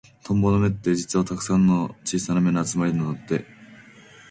トンボの目って、実はたくさんの小さな目の集まりなんだって。